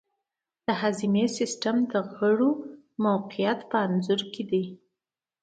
د هاضمې سیستم د غړو موقیعت په انځور کې دی.